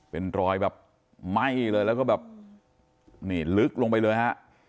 เป็นรอยแบบไหม้เลยแล้วก็แบบนี่ลึกลงไปเลยฮะ